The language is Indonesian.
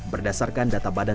berdasarkan data badan pemerintah